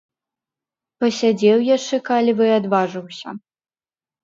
Пасядзеў яшчэ каліва і адважыўся.